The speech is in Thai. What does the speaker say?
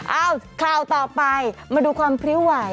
เอ้าข่าวต่อไปมาดูความพริ้วไหว